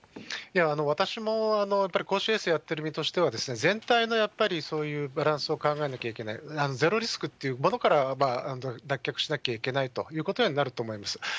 私もやっぱり公衆衛生やってる身としては、全体のやっぱりそういうバランスを考えなきゃいけない、ゼロリスクっていうものから脱却しなきゃいけないということになると思います。